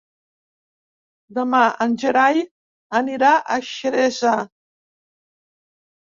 Demà en Gerai anirà a Xeresa.